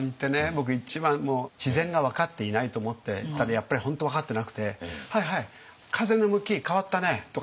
僕一番自然が分かっていないと思ってたらやっぱり本当分かってなくて「はいはい風の向き変わったね」とか言われる。